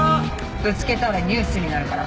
ぶつけたらニュースになるから。